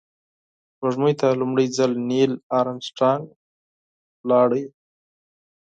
سپوږمۍ ته لومړی ځل نیل آرمسټرانګ لاړ